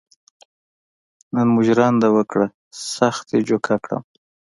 نن مو ژرنده وکړه سخت یې جوکه کړم.